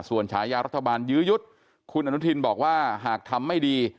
ส่วนฉายารัฐบาลยื้อยุดคุณอนุทินบอกว่าหากทำไม่ดี